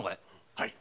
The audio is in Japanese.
はい。